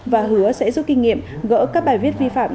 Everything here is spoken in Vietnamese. và hứa sẽ giúp kinh nghiệm gỡ các bài viết vi phạm